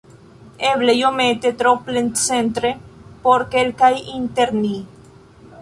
Eble iomete tro plencentre por kelkaj inter ni.